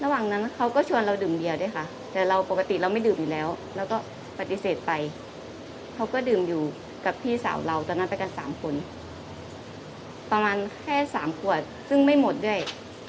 ระหว่างนั้นเขาก็ชวนเราดื่มเบียร์ด้วยค่ะแต่เราปกติเราไม่ดื่มอยู่แล้วเราก็ปฏิเสธไปเขาก็ดื่มอยู่กับพี่สาวเราตอนนั้นไปกัน๓คนประมาณแค่๓ขวดซึ่งไม่หมดด้วย